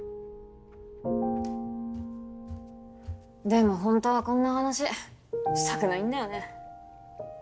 でもホントはこんな話したくないんだよね。